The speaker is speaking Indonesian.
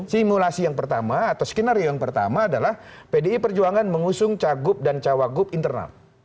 simulasi yang pertama atau skenario yang pertama adalah pdi perjuangan mengusung cagup dan cawagup internal